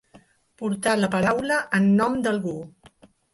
Portar la paraula en nom d'algú.